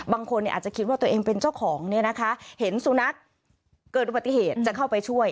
บางคนอาจจะคิดว่าตัวเองเป็นเจ้าของเนี่ยนะคะเห็นสุนัขเกิดอุบัติเหตุจะเข้าไปช่วย